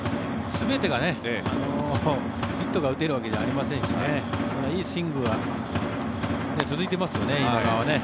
全てがヒットが打てるわけじゃありませんしいいスイングは続いていますよね今川はね。